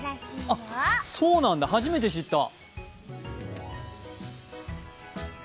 あっ、そうなんだ、初めて知った。